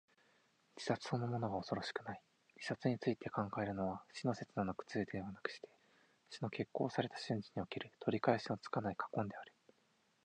自殺そのものは恐ろしくない。自殺について考えるのは、死の刹那の苦痛ではなくして、死の決行された瞬時における、取り返しのつかない悔恨である。